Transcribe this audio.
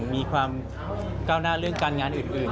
มีความก้าวหน้าเรื่องการงานอื่น